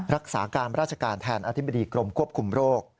รักษาการราชการแทนอธิบดีกรมควบคุมโรค